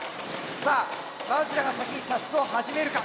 さあどちらが先に射出を始めるか。